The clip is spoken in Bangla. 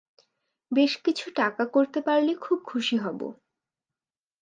বেশ কিছু টাকা করতে পারলে খুব খুশী হব।